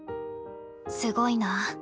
すごいな。